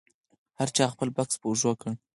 هر چا خپل بکس په اوږه کړ.